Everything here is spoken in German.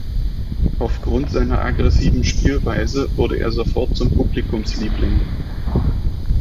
Aufgrund seiner aggressiven Spielweise wurde er sofort zum Publikumsliebling.